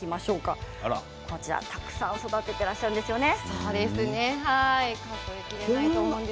こちらたくさん育てていらっしゃいますね。